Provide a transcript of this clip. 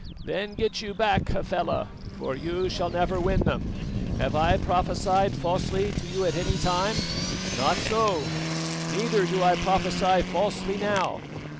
"Then get you back, Hafela, for you shall never win them.. Have I prophesied falsely to you at any time? Not so neither do I prophesy falsely now.